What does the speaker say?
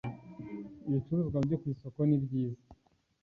ibicuruzwa byo ku isoko nibyiza